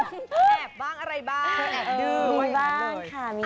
มีบ้างมีบ้างครับ